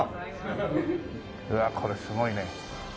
うわっこれすごいね。